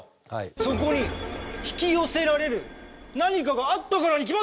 そこに引き寄せられる何かがあったからに決まってるじゃねえか。